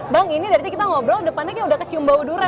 bang ini dari kita ngobrol depannya kayak udah kecium bau durian